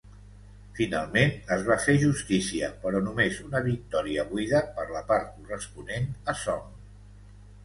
Finalment es va fer justícia, però només una victòria buida per la part corresponent a Song.